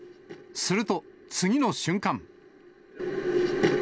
すると、次の瞬間。